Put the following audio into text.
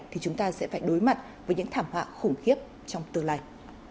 thì chúng ta sẽ phải đối mặt với những thảm họa khủng khiếp trong tương lai